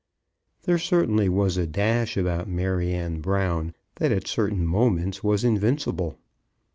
There certainly was a dash about Maryanne Brown that at certain moments was invincible.